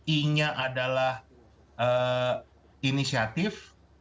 i nya adalah inisiatif